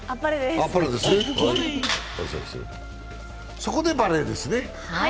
そこでバレーですね。